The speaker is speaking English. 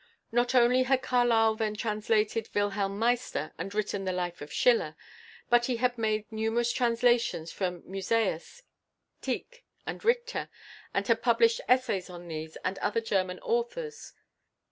Not only had Carlyle then translated "Wilhelm Meister" and written the "Life of Schiller," but he had made numerous translations from Musæus, Tieck, and Richter, and had published essays on these and other German authors.